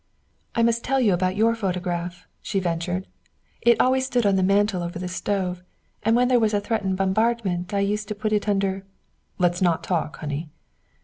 "I must tell you about your photograph," she ventured. "It always stood on the mantel over the stove, and when there was a threatened bombardment I used to put it under " "Let's not talk, honey."